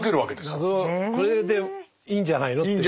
謎これでいいんじゃないのって。